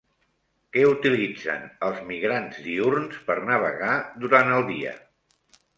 Què utilitzen els migrants diürns per navegar durant el dia?